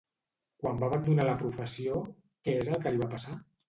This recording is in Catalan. Quan va abandonar la professió, què és el que li va passar?